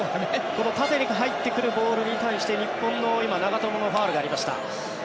この縦に入ってくるボールに対して今、長友のファウルがありました。